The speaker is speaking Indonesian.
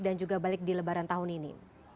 dan juga balik di lebaran tahun ini